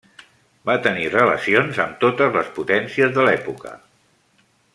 Va tenir relacions amb totes les potències de l'època.